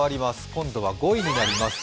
今度は５位になります。